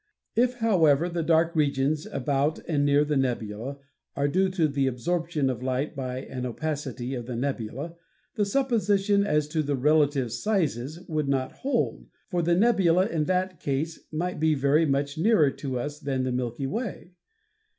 If, however, the dark regions about and near the nebula are due to the absorp tion of light by an opacity of the nebula, the supposition as to the relative sizes would not hold, for the nebula in that case might be very much nearer to us than the Milky Way.